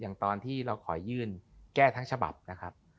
ตอนที่เราขอยื่นแก้ทั้งฉบับนะครับ